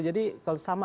jadi kalau sama